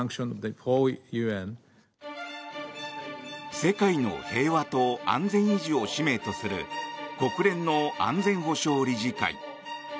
世界の平和と安全維持を使命とする国連の安全保障理事会。